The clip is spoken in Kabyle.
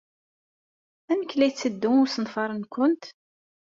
Amek ay la yetteddu usenfar-nwent?